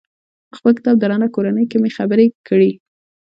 په خپل کتاب درنه کورنۍ کې مې خبرې کړي.